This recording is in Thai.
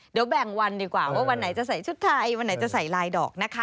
เดี๋ยวแบ่งวันดีกว่าว่าวันไหนจะใส่ชุดไทยวันไหนจะใส่ลายดอกนะคะ